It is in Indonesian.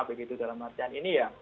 begitu dalam artian ini ya